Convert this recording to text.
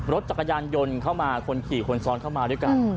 รถจักรยานยนต์เข้ามาคนขี่คนซ้อนเข้ามาด้วยกัน